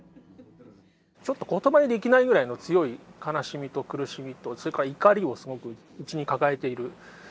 ちょっと言葉にできないぐらいの強い悲しみと苦しみとそれから怒りをすごく内に抱えているというところがあった。